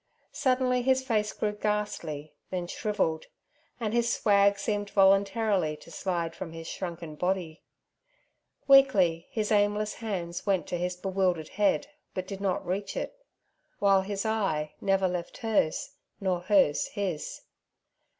Suddenly his face grew ghastly, then shrivelled, and his swag seemed voluntarily to slide from his shrunken body. Weakly his aimless hands went to his bewildered head, but did not reach it, while his eye never left hers, nor hers his.